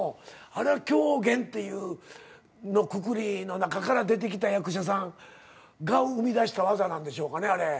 あれは狂言というくくりの中から出てきた役者さんが生みだした技なんでしょうかね。